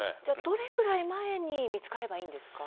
どれくらい前に見つかればいいんですか？